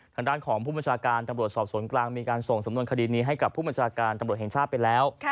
ทางด้านของผู้บัญชาการตำรวจสอบสวนกลางมีการส่งสำนวนคดีนี้ให้กับผู้บัญชาการตำรวจแห่งชาติไปแล้ว